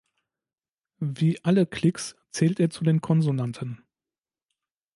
Wie alle Klicks zählt er zu den Konsonanten.